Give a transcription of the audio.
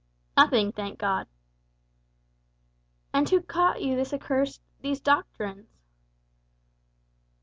"Nothing, thank God." "And who taught you this accursed these doctrines?"